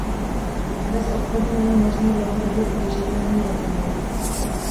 Bez obchodu není možný dlouhodobě udržitelný rozvoj.